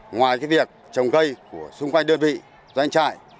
ngoài việc trồng cây của xung quanh đơn vị doanh trại